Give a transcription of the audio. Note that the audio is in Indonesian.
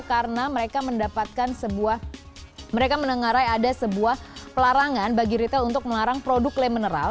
karena mereka mendapatkan sebuah mereka mendengarai ada sebuah pelarangan bagi retail untuk melarang produk lem mineral